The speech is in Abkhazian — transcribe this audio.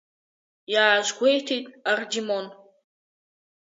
Иаазгәеиҭеит Ардимон.